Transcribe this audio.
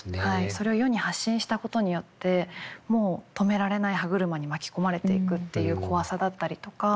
それを世に発信したことによってもう止められない歯車に巻き込まれていくっていう怖さだったりとか。